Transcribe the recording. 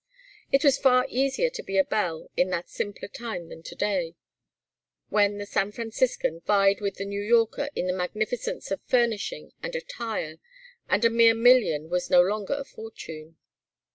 It was far easier to be a belle in that simpler time than to day, when the San Franciscan vied with the New Yorker in the magnificence of furnishing and attire, and a mere million was no longer a fortune.